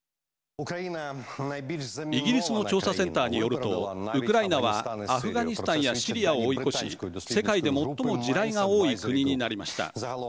イギリスの調査センターによるとウクライナはアフガニスタンやシリアを追い越し世界で最も地雷が多い国になりました。